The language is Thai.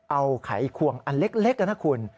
เอาไขควงอันเล็กนะคุณ